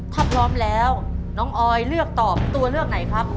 ถ้าพร้อมแล้วน้องออยเลือกตอบตัวเลือกไหนครับ